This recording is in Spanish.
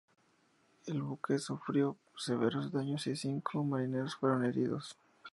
El buque sufrió severos daños y cinco marineros fueron heridos.